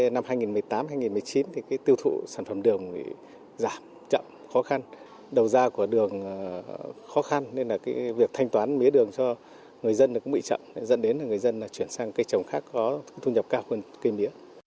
năm hai nghìn một mươi tám hai nghìn một mươi chín tiêu thụ sản phẩm đường bị giảm chậm khó khăn đầu ra của đường khó khăn nên là việc thanh toán mía đường cho người dân cũng bị chậm dẫn đến là người dân chuyển sang cây trồng khác có thu nhập cao hơn cây mía